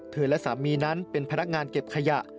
และสามีนั้นเป็นพนักงานเก็บขยะ